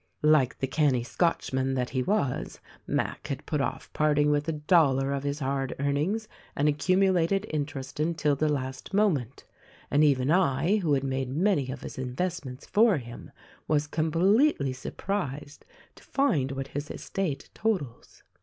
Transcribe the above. Like the canny Scotchman that he was, Mac had put off parting with a dollar of his hard earnings and accumulated interest until the last moment ; and even I who had made many of his investments for him, was completely surprised to find what his estate totals.